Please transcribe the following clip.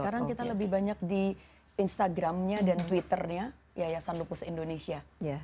sekarang kita lebih banyak di instagram nya dan twitter nya yayasan lupus indonesia